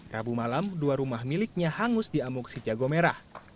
rabu malam dua rumah miliknya hangus di amuk si jago merah